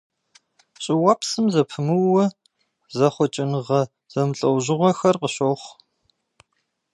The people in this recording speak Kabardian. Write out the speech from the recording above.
ЩӀыуэпсым зэпымыууэ зэхъукӀэныгъэ зэмылӀэужьыгъуэхэр къыщохъу.